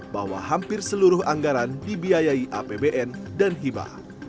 bahwa hampir seluruh anggaran dibiayai apbn dan hibah